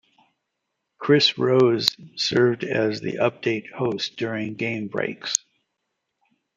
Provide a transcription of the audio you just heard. Chris Rose served as the update host during game breaks.